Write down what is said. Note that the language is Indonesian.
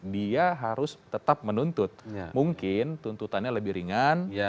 dia harus tetap menuntut mungkin tuntutannya lebih ringan